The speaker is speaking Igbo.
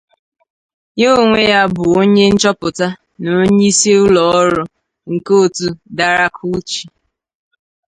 Ya onwe ya bụ onye nchọpụta na onye isi ụlọ ọrụ nke otu Daralkuchi.